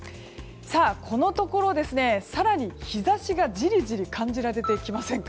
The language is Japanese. このところ、更に日差しがじりじり感じられてきませんか？